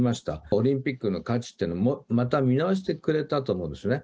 オリンピックの価値ってのを、もっと、また見直してくれたと思うんですよね。